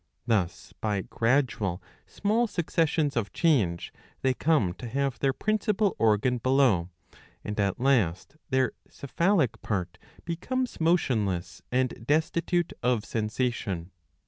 Thus, by gradual small successions of change, they come to have their principal organ below ; and at last their cephalic part becomes motionless and destitute of sensation.